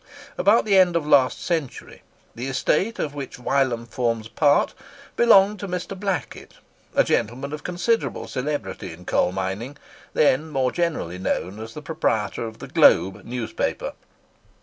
About the end of last century the estate of which Wylam forms part, belonged to Mr. Blackett, a gentleman of considerable celebrity in coal mining, then more generally known as the proprietor of the 'Globe' newspaper.